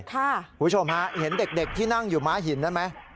คุณผู้ชมฮะเห็นเด็กที่นั่งอยู่ม้าหินนั้นไหม